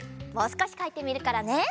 もうすこしかいてみるからね。